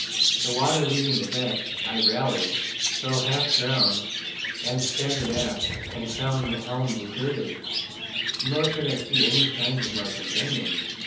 The water leaving the deck, I rallied, though half drowned, and staggered aft, and found the helm deserted, nor could I see any signs of my companions.